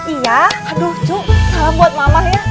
iya aduh cuk buat mama ya